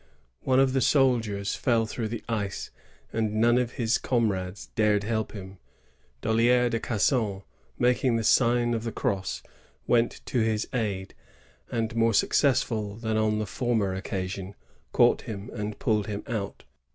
One of the soldiers fell through the ice, and none of his com rades dared help him. Dollier de Casson, making the sign of the cross, went to his aid, and, more successful than on the former occasion, caught him and pulled him out.